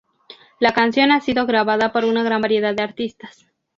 La canción ha sido grabada por una gran variedad de artistas.